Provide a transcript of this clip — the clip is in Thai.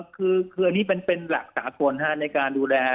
คืออันนี้เป็นหลักสากลในการดูแล